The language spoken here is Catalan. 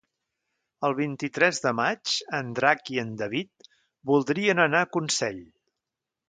El vint-i-tres de maig en Drac i en David voldrien anar a Consell.